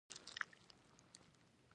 هغه بیا پنځه ویشت میلیونه ګټه کوي